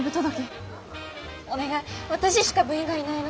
お願い私しか部員がいないの。